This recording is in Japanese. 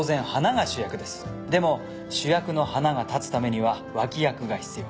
でも主役の花が立つためには脇役が必要。